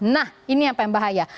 nah ini apa yang bahaya